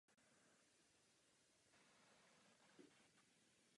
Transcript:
To, co potřebují, je přímá pomoc, a potřebují ji teď!